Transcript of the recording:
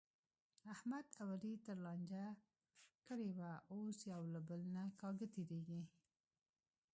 احمد او علي څه لانجه کړې وه، اوس یو له بل نه کاږه تېرېږي.